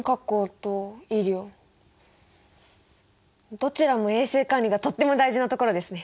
どちらも衛生管理がとっても大事なところですね。